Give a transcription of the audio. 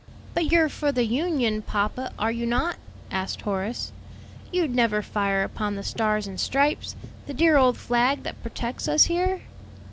"But you're for the Union, papa, are you not?" asked Horace. "You'd never fire upon the Stars and Stripes the dear old flag that protects us here?"